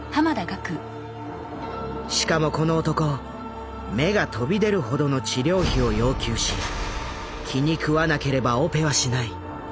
しかもこの男目が飛び出るほどの治療費を要求し気に食わなければオペはしない。